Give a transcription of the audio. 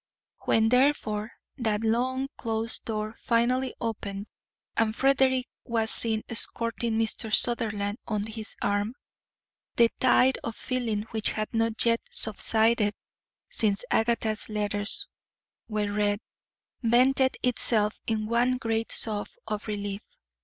When, therefore, that long closed door finally opened and Frederick was seen escorting Mr. Sutherland on his arm, the tide of feeling which had not yet subsided since Agatha's letters were read vented itself in one great sob of relief.